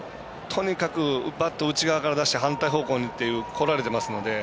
とにかくバットを内側から出して反対方向にってこられてますから。